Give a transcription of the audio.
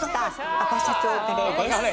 アパ社長カレーです。